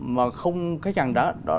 mà không khách hàng đã